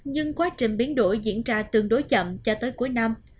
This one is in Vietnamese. nhưng quá trình biến đổi diễn ra tương đối chậm cho tới cuối năm